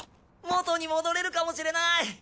元に戻れるかもしれない！